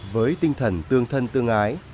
với tinh thần tương thân tương ái